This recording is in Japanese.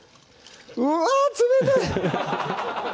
うわ冷たい！